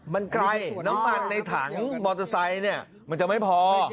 มันไกลน้ำมันในถังมอเตอร์ไซค์เนี่ยมันจะไม่พอ